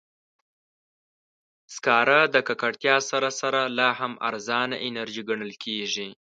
سکاره د ککړتیا سره سره، لا هم ارزانه انرژي ګڼل کېږي.